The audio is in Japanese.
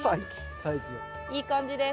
いい感じです。